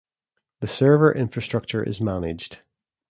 The server infrastructure is managed